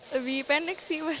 lebih pendek sih mas